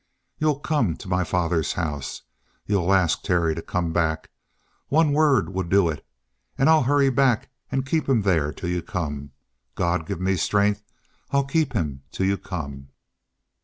You'll come to my father's house? You'll ask Terry to come back? One word will do it! And I'll hurry back and keep him there till you come. God give me strength! I'll keep him till you come!"